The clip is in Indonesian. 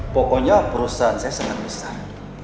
pokoknya perusahaan saya sangat besar